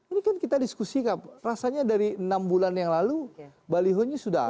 ini kan kita diskusi rasanya dari enam bulan yang lalu balihonya sudah ada